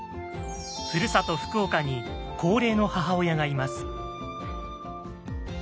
ふるさと福岡に高齢の母親がいます。